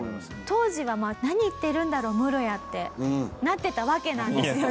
当時はまあ「何言ってるんだろうムロヤ」ってなってたわけなんですよね。